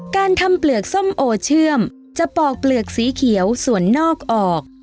การทำเปลือกส้มโอเชื่อมจะปอกเปลือกสีเขียวส่วนนอกออก